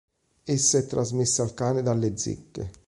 Essa è trasmessa al cane dalle zecche.